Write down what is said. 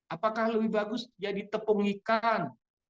apakah lebih bagus jadi tepung ikan